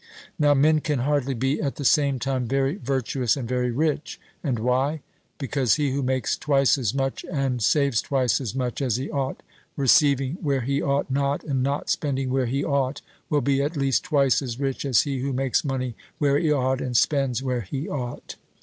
Now men can hardly be at the same time very virtuous and very rich. And why? Because he who makes twice as much and saves twice as much as he ought, receiving where he ought not and not spending where he ought, will be at least twice as rich as he who makes money where he ought, and spends where he ought.